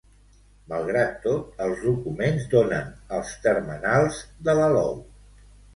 Malgrat tot, els documents donen els termenals de l'alou.